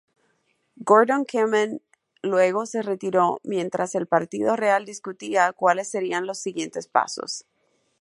Gordon-Cumming luego se retiró mientras el partido real discutía cuáles serían los siguientes pasos.